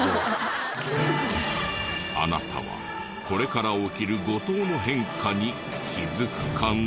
あなたはこれから起きる後藤の変化に気づくかな？